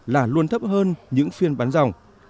là luôn thấp hơn những phiên bán dòng